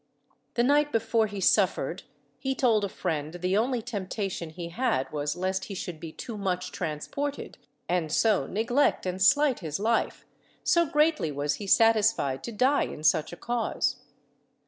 The night before he suffered, he told a friend the only temptation he had was lest he should be too much transported, and so neglect and slight his life, so greatly was he satisfied to die in such a cause.